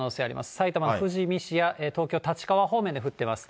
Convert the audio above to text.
埼玉・富士見市や東京・立川方面で降っています。